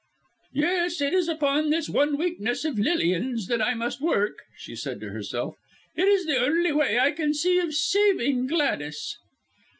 "Yes, it is upon this one weakness of Lilian's that I must work," she said to herself. "It is the only way I can see of saving Gladys."